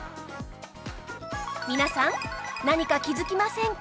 皆さん何か気づきませんか？